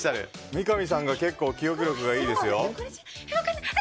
三上さんが結構、記憶力がいいですよ。